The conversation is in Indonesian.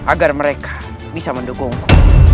agar mereka bisa mendukungku